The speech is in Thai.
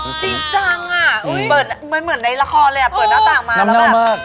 จริงจังอ่ะเปิดมันเหมือนในละครเลยอ่ะเปิดหน้าต่างมาแล้วแบบ